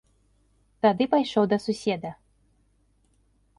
Тады пайшоў да суседа.